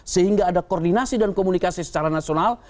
sehingga ada koordinasi dan komunikasi secara nasional